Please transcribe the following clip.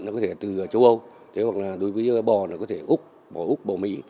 nó có thể từ châu âu thế hoặc là đối với bò nó có thể úc bò úc bò mỹ